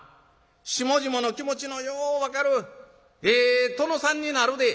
下々の気持ちのよう分かるええ殿さんになるで」。